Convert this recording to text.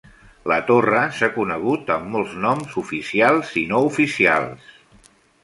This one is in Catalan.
La torre s'ha conegut amb molts noms, oficials i no oficials.